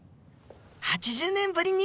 ８０年ぶりに？